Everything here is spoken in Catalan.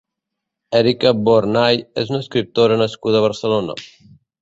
Erika Bornay és una escriptora nascuda a Barcelona.